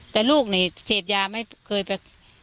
แต่ลูกนี่เสพยาไม่เคยไป